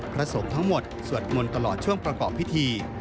พระสงฆ์ทั้งหมดสวดมนต์ตลอดช่วงประกอบพิธี